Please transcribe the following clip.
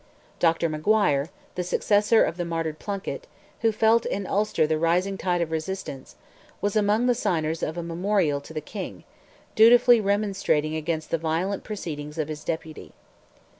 Dr. Macguire, the successor of the martyred Plunkett, who felt in Ulster the rising tide of resistance, was among the signers of a memorial to the King, dutifully remonstrating against the violent proceedings of his Deputy.